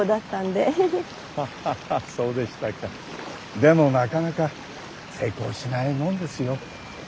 でもなかなか成功しないもんですよ。